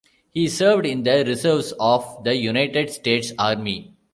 He served in the reserves of the United States Army.